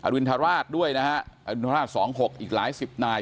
อรุณฑราชด้วยนะฮะอรุณฑราชสองหกอีกหลายสิบหน่าย